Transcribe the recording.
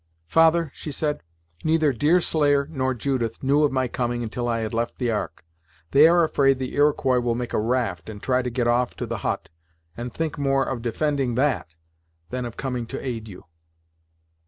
"Father," she said, "neither Deerslayer nor Judith knew of my coming until I had left the Ark. They are afraid the Iroquois will make a raft and try to get off to the hut, and think more of defending that than of coming to aid you."